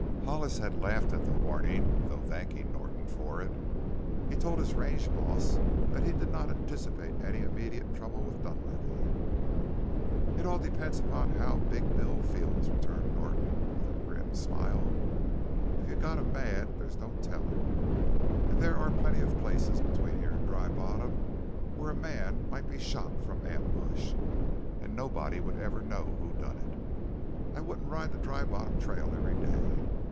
Hollis had laughed at the warning, though thanking Norton for it. He told his range boss that he did not anticipate any immediate trouble with Dunlavey. "It all depends on how Big Bill feels," returned Norton with a grim smile. "If you've got him mad there's no telling. And there are plenty of places between here and Dry Bottom where a man might be shot from ambush. And nobody'd ever know who done it. I wouldn't ride the Dry Bottom trail every day.